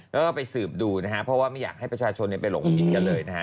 แล้วก็ไปสืบดูนะฮะเพราะว่าไม่อยากให้ประชาชนไปหลงผิดกันเลยนะฮะ